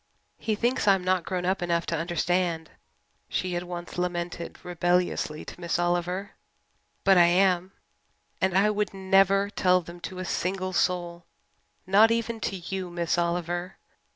"He thinks I'm not grown up enough to understand," she had once lamented rebelliously to Miss Oliver, "but I am! And I would never tell them to a single soul not even to you, Miss Oliver.